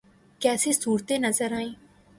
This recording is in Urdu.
کیسی صورتیں نظر آئیں؟